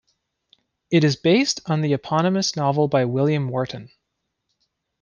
It is based on the eponymous novel by William Wharton.